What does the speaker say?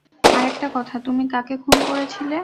আরেকটা কথা, তুমি কাকে খুন করেছিলে?